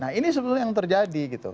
nah ini sebetulnya yang terjadi